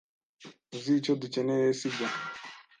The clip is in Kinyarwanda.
Uzi icyo dukeneye, sibyo?